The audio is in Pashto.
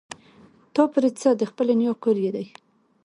تا پورې څه د خپلې نيا کور يې دی.